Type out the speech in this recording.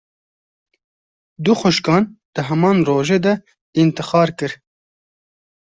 Du xwişkan, di heman rojê de întixar kir